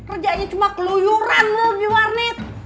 rejaknya cuma keluyuran loh di warnet